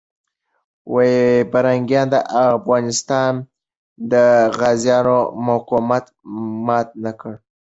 پرنګیان د افغان غازیانو مقاومت مات نه کړ.